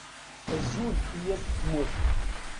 Azul i yat Tmurt!